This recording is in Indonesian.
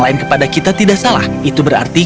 lain kepada kita tidak salah itu berarti